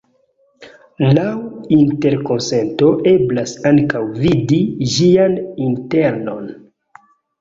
Laŭ interkonsento eblas ankaŭ vidi ĝian internon.